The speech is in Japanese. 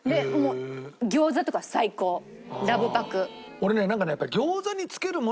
俺ねなんかねやっぱり。